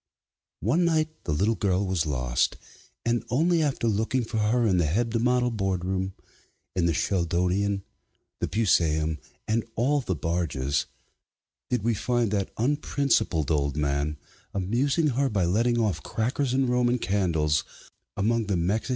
One night the little girl was lost, and only after looking for her in the Hebdomadal Boardroom, in the Sheldonian, the Pusaeum, and all the barges, did we find that unprincipled old man amusing her by letting off crackers and Roman candles among the Mexican MSS.